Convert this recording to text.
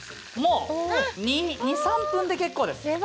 もう２３分で結構です。